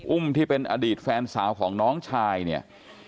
อุ้มที่เป็นอดีตแฟนสาวของน้องชายเนี่ย